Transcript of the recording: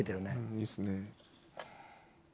いいっすね。